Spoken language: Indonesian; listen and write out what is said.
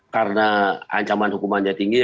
karena ancaman hukumannya tinggi